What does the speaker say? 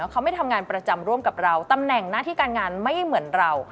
เขาไม่ทำงานประจำร่วมกับเราตำแหน่งหน้าที่การงานไม่เหมือนเรา